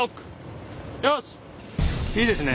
いいですね。